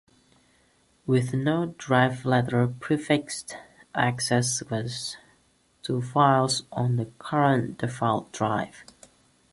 With no drive letter prefixed, access was to files on the current default drive.